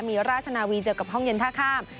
มีราชนาวีเจอกับห้องเย็นท่าข้าม